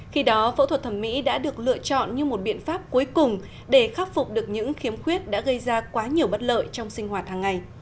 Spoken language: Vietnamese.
khi đó phẫu thuật thẩm mỹ đã được lựa chọn như một biện pháp cuối cùng để khắc phục được những khiếm khuyết đã gây ra quá nhiều bất lợi trong sinh hoạt hàng ngày